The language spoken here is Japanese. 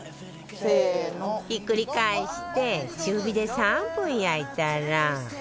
ひっくり返して中火で３分焼いたら